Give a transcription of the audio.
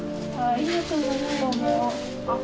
ありがとうございます。